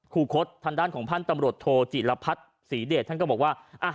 คู่คตทางด้านของพันธ์ตำรวจโทจิระพัทธ์ศรีเดชน์ท่านก็บอกว่าอ่ะ